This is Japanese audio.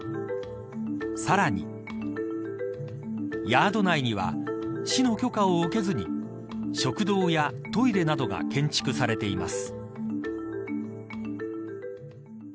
さらにヤード内には市の許可を受けずに食堂やトイレなどが建築されています。